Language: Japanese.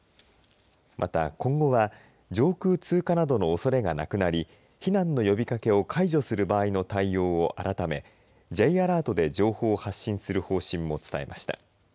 また今後は上空通過などのおそれがなくなり避難の呼びかけを解除する場合の対応を改めＪアラートで情報発信する方針も伝えました。